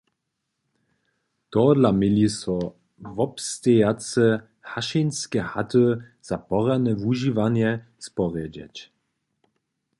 Tohodla měli so wobstejace hašenske haty za porjadne wužiwanje sporjedźeć.